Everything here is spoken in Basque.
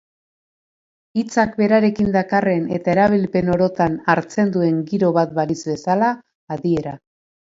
Hitzak berarekin dakarren eta erabilpen orotan hartzen duen giro bat balitz bezala adiera.